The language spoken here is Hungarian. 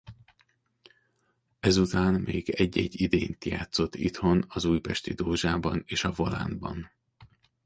Ezután még egy-egy idényt játszott itthon az Újpesti Dózsában és a Volánban.